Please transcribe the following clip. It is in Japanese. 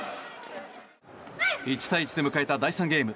１対１で迎えた第３ゲーム。